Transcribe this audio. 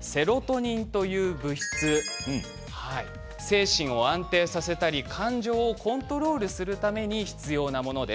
セロトニンという物質精神を安定させたり感情をコントロールするために必要なものです。